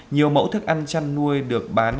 nhiều mẫu thức ăn chăn nuôi được bán